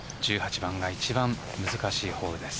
１８番が一番難しいホールです。